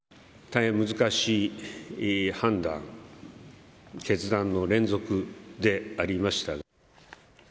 大変難しい判断、決断の連続でありました。